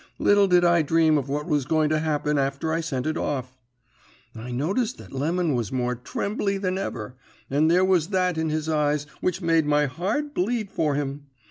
Little did I dream of what was going to happen after I sent it off. "I noticed that Lemon was more trembly than ever, and there was that in his eyes which made my heart bleed for him.